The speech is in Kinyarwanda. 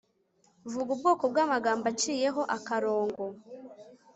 vuga ubwoko bw'amagambo aciyehoakarongo